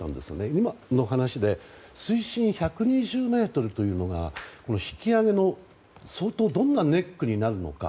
今の話で水深１２０ｍというのが引き揚げのどんなネックになるのか。